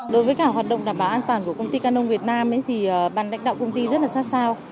đối với cả hoạt động đảm bảo an toàn của công ty canon việt nam thì bàn đánh đạo công ty rất là sát sao